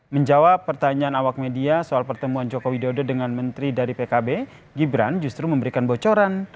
menjawab pertanyaan awak media soal pertemuan jokowi dodo dengan menteri dari pkb gibran justru memberikan bocoran